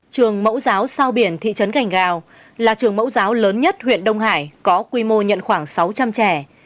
trường mẫu giáo sao biển thị trấn gành rào là trường mẫu giáo lớn nhất huyện đông hải có quy mô nhận khoảng sáu trăm linh trẻ